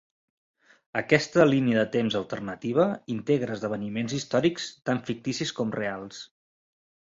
Aquesta línia de temps alternativa integra esdeveniments històrics tant ficticis com reals.